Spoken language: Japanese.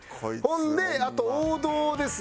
ほんであと「王道」ですね。